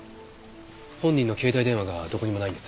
本人の携帯電話がどこにもないんです。